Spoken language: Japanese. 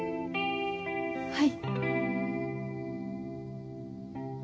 はい。